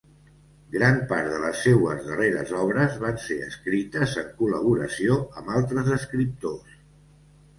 Gran part de les seues darreres obres van ser escrites en col·laboració amb altres escriptors.